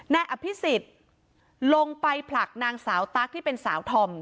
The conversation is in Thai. นายอภิษฎลงไปผลักนางสาวตั๊กที่เป็นสาวธอม